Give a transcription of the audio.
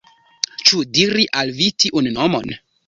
Ĉu diri al vi tiun nomon?